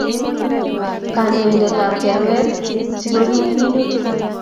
kandenoetap kerwet sikorip minutik